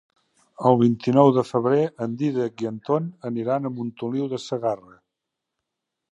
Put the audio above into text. El vint-i-nou de febrer en Dídac i en Ton aniran a Montoliu de Segarra.